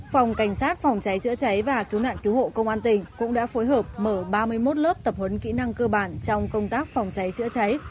phòng cảnh sát phòng cháy chữa cháy và cứu nạn cứu hộ công an tỉnh cũng đã phối hợp mở ba mươi một lớp tập huấn kỹ năng cơ bản trong công tác phòng cháy chữa cháy